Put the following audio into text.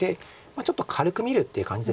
ちょっと軽く見るっていう感じです。